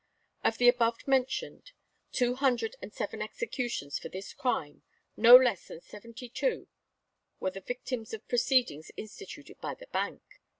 Of the above mentioned two hundred and seven executions for this crime, no less than seventy two were the victims of proceedings instituted by the Bank.